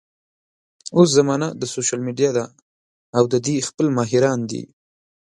اوس زمانه د سوشل ميډيا ده او د دې خپل ماهران دي